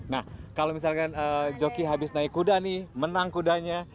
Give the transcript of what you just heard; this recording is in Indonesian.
nah kalau misalkan joki habis naik kuda nih menang kudanya